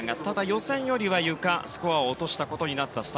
ただ予選よりはゆか、スコアを落としたことになりました。